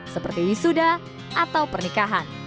seperti wisuda atau pernikahan